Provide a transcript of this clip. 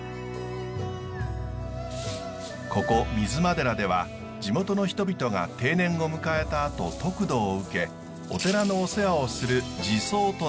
ここ水間寺では地元の人々が定年を迎えたあと得度を受けお寺のお世話をする寺僧となります。